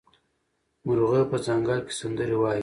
مرغه په ځنګل کې سندرې وايي.